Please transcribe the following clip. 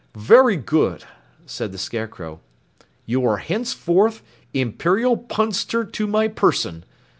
"Very good," said the Scarecrow. "You are henceforth Imperial Punster to my Person.